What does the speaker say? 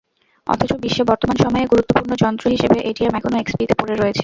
অথচ বিশ্বে বর্তমান সময়ে গুরুত্বপূর্ণ যন্ত্র হিসেবে এটিএম এখনও এক্সপিতে পড়ে রয়েছে।